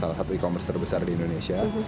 salah satu e commerce terbesar di indonesia